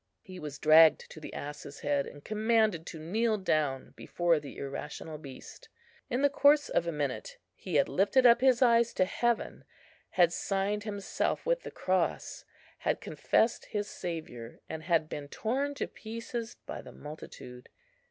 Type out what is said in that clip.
He was dragged to the ass's head and commanded to kneel down before the irrational beast. In the course of a minute he had lifted up his eyes to heaven, had signed himself with the cross, had confessed his Saviour, and had been torn to pieces by the multitude.